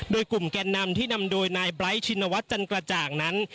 โดยกลุ่มแกนนำที่นำโดยนายไบร์ทชินวัฒน์จันกระจ่างนั้น